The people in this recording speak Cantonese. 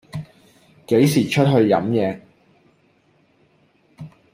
幾時出去飲野